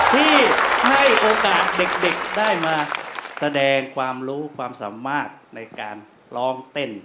ที่ให้โอกาสเด็กได้มาแสดงความรู้ความสามารถในการร้องเต้น